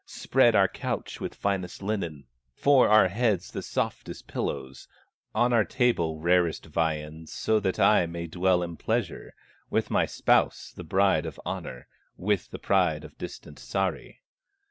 Spread our couch with finest linen, For our heads the softest pillows, On our table rarest viands, So that I may dwell in pleasure With my spouse, the bride of honor, With the pride of distant Sahri."